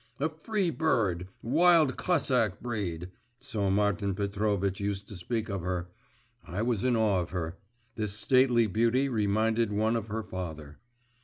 'A free bird, wild Cossack breed,' so Martin Petrovitch used to speak of her. I was in awe of her.… This stately beauty reminded one of her father.